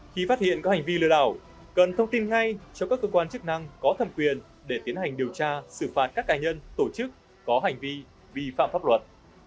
khi phát hiện có hành vi lừa đảo cần thông tin ngay cho các cơ quan chức năng có thẩm quyền để tiến hành điều tra xử phạt các cá nhân tổ chức có hành vi vi phạm pháp luật